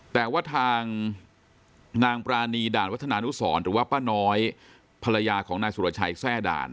แต่ว่าทางนางปรานีด่านวัฒนานุสรหรือว่าป้าน้อยภรรยาของนายสุรชัยแทร่ด่าน